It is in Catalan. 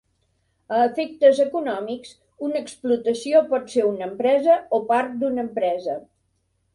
A efectes econòmics, una explotació pot ser una empresa o part d'una empresa.